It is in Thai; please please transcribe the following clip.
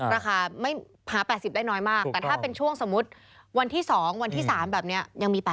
ราคาไม่หา๘๐ได้น้อยมากแต่ถ้าเป็นช่วงสมมุติวันที่๒วันที่๓แบบนี้ยังมี๘๐